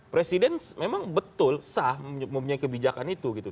presiden memang betul sah mempunyai kebijakan itu gitu